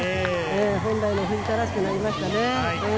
本来の藤田らしくなりましたね。